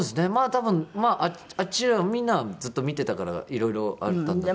多分あっちのみんなはずっと見てたからいろいろあったんだと。